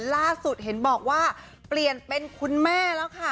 ล่าสุดเห็นบอกว่าเปลี่ยนเป็นคุณแม่แล้วค่ะ